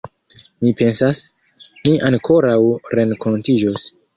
Mi pensas, ni ankoraŭ renkontiĝos.